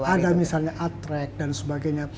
iya ada misalnya art track dan sebagainya